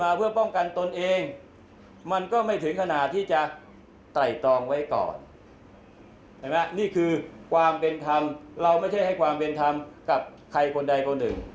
เราไม่ใช่ให้ความเป็นธรรมกับใครคนใดคนอื่น